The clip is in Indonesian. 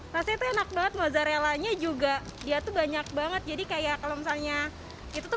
rasanya enak banget mozzarellanya juga dia tuh banyak banget jadi kayak kalau misalnya itu tuh